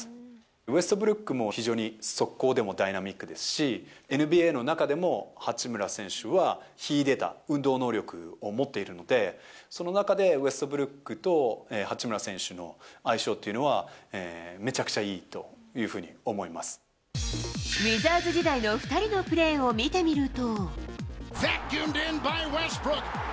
ウェストブルックも非常に速攻でもダイナミックですし、ＮＢＡの中でも八村選手は秀でた運動能力を持っているので、その中でウェストブルックと八村選手の相性っていうのは、めちゃウィザーズ時代の２人のプレーを見てみると。